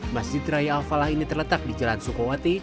masjid raya al falah ini terletak di jalan sukowati